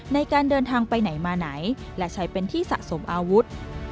ในการเดินทางไปไหนมาไหนและใช้เป็นที่สะสมอาวุธ